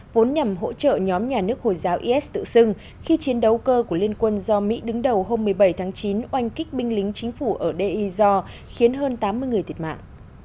giúp trợ nhóm nhà nước hồi giáo is tự xưng khi chiến đấu cơ của liên quân do mỹ đứng đầu hôm một mươi bảy tháng chín oanh kích binh lính chính phủ ở deir ez zor khiến hơn tám mươi người tiệt mạng